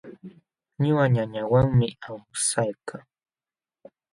Ñuqa ñañawanmi awsaykaa.